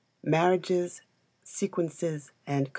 Marriages, Sequences, &c.